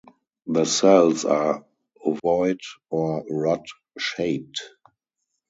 The cells are ovoid or rod-shaped.